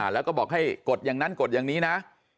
แล้วก็บอกให้กดอย่างนั้นกดอย่างนี้นะ